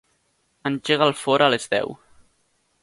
Engega el forn a les deu.